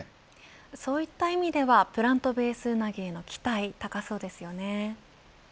そういった意味ではプラントベースうなぎへの期待高そうですよね。